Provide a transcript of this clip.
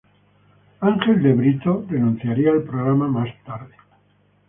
Ángel de Brito renunciaría al programa más tarde.